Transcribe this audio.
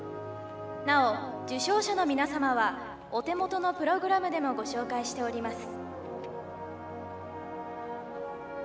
なお受賞者の皆様はお手元のプログラムでもご紹介しております。